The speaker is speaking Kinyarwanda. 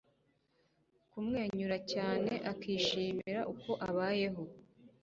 Kumwenyura cyane akishimira uko abayeho